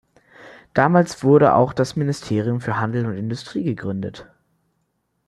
Damals wurde auch das Ministerium für Handel und Industrie gegründet.